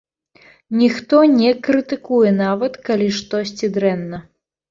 Ніхто не крытыкуе, нават калі штосьці дрэнна.